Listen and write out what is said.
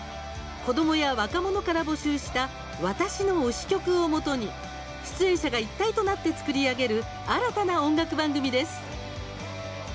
子どもや若者から募集した私の「推し曲」をもとに出演者が一体となって作り上げる新たな音楽番組です。